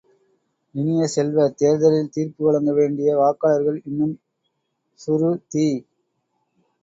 இனிய செல்வ, தேர்தலில் தீர்ப்பு வழங்க வேண்டிய வாக்காளர்கள் இன்னும் சுறு தி.